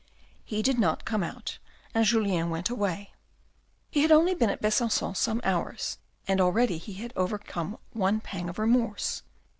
He did not come out, and Julien went away. He had only been at Besancon some hours, and already he had overcome one pang of remorse.